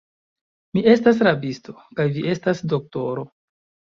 Mi estas rabisto, kaj vi estas doktoro.